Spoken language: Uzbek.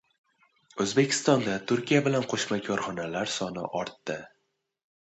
O‘zbekistonda Turkiya bilan qo‘shma korxonalar soni ortdi